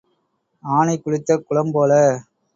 ஆனை குளித்த குளம் போல.